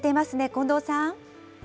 近藤さん。